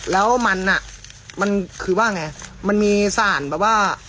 แล้วมันอ่ะมันคือว่าไงมันมีสารแบบว่า